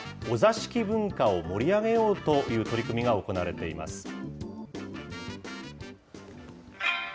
お座敷文化を盛り上げようという取り組みが行われています。